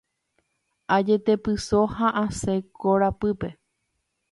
Ajetepyso ha asẽ korapýpe.